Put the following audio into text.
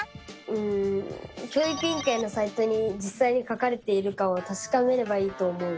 うん教育委員会のサイトにじっさいに書かれているかをたしかめればいいと思う！